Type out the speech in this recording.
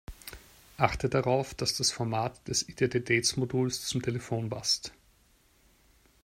Achte darauf, dass das Format des Identitätsmoduls zum Telefon passt.